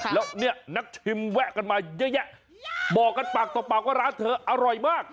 แล้วเนี่ยนักชิมแวะกันมาเยอะแยะบอกกันปากต่อปากว่าร้านเธออร่อยมาก